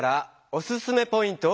おすすめポイント？